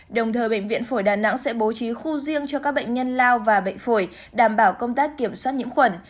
đồng thời bệnh viện phổi đà nẵng sẽ bố trí khu riêng cho các bệnh nhân lao và bệnh phổi đảm bảo công tác kiểm soát nhiễm khuẩn